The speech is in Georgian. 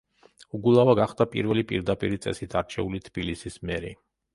უგულავა გახდა პირველი პირდაპირი წესით არჩეული თბილისის მერი.